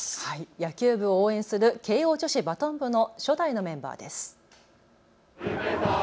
野球部を応援する慶応女子バトン部の初代のメンバーです。